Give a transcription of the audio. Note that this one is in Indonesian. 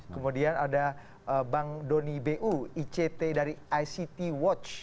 kemudian ada bang doni bu ict dari ict watch